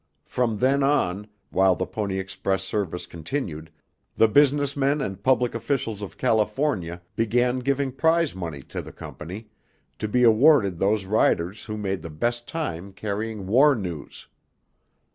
From then on, while the Pony Express service continued, the business men and public officials of California began giving prize money to the Company, to be awarded those riders who made the best time carrying war news.